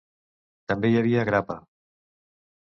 També hi havia grappa.